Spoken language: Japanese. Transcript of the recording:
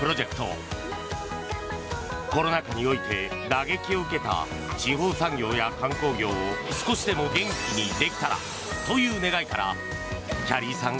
コロナ禍において打撃を受けた地方産業や観光業を少しでも元気にできたらという願いからきゃりーさん